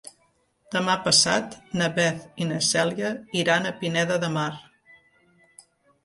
Demà passat na Beth i na Cèlia iran a Pineda de Mar.